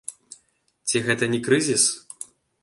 Ці гэта не крызіс?